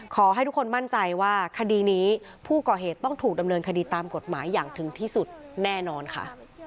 ขอให้ทุกคนมั่นใจว่าคดีนี้ผู้ก่อเหตุต้องถูกดำเนินคดีตามกฎหมายอย่างถึงที่สุดแน่นอนค่ะ